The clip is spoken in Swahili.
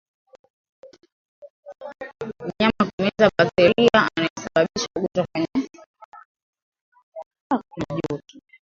Mnyama kumeza bakteria anayesababisha ugonjwa kwenye majani